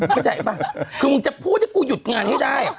เข้าใจป่ะคือมึงจะพูดให้กูหยุดงานให้ได้